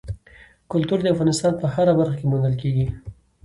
کلتور د افغانستان په هره برخه کې موندل کېږي.